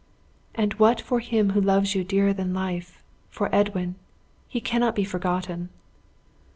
"And what for him who loves you dearer than life for Edwin? He cannot be forgotten!"